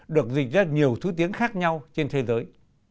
được dịch ra nhiều thứ tiếng khác nhau trên thế giới